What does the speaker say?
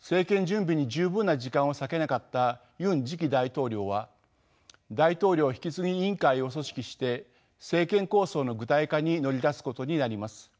政権準備に十分な時間を割けなかったユン次期大統領は大統領引き継ぎ委員会を組織して政権構想の具体化に乗り出すことになります。